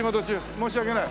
申し訳ない。